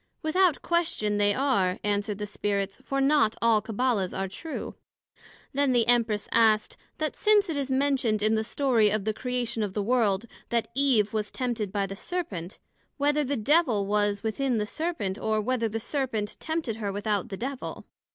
Without question, they are, answered the Spirits; for not all Cabbala's are true. Then the Empress asked, That since it is mentioned in the story of the Creation of the World, that Eve was tempted by the Serpent, Whether the Devil was within the Serpent, or, Whether the Serpent tempted her without the Devil?